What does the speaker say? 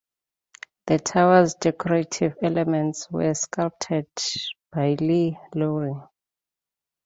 The towers's decorative elements were sculpted by Lee Lawrie.